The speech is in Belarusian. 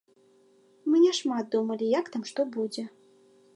Мы не шмат думалі, як там што будзе.